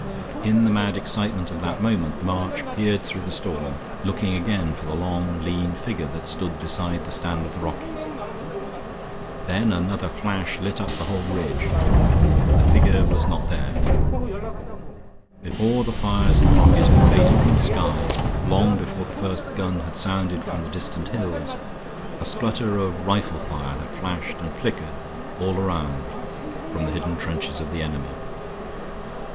In the mad excitement of that moment March peered through the storm, looking again for the long lean figure that stood beside the stand of the rocket. Then another flash lit up the whole ridge. The figure was not there. Before the fires of the rocket had faded from the sky, long before the first gun had sounded from the distant hills, a splutter of rifle fire had flashed and flickered all around from the hidden trenches of the enemy.